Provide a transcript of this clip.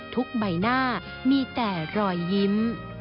ใบหน้ามีแต่รอยยิ้ม